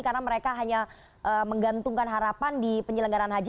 karena mereka hanya menggantungkan harapan di penyelenggaran haji